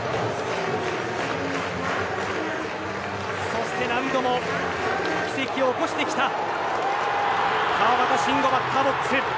そして何度も奇跡を起こしてきた川端慎吾、バッターボックス。